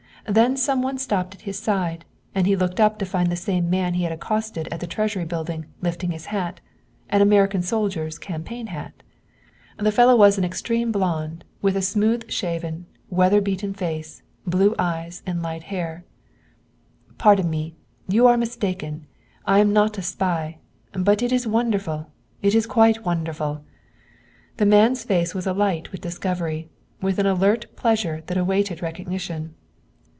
Then some one stopped at his side and he looked up to find the same man he had accosted at the Treasury Building lifting his hat, an American soldier's campaign hat. The fellow was an extreme blond, with a smooth shaven, weather beaten face, blue eyes and light hair. "Pardon me! You are mistaken; I am not a spy. But it is wonderful; it is quite wonderful " The man's face was alight with discovery, with an alert pleasure that awaited recognition.